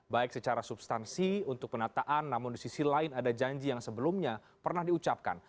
baik secara substansi untuk penataan namun di sisi lain ada janji yang sebelumnya pernah diucapkan